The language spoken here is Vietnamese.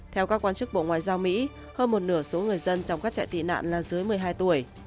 theo các quan chức bộ ngoại giao mỹ hơn một nửa số người dân trong các trại tị nạn là dưới một mươi hai tuổi